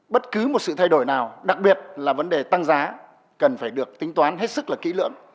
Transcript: bất cứ một sự thay đổi nào đặc biệt là vấn đề tăng giá cần phải được tính toán hết sức là kỹ lưỡng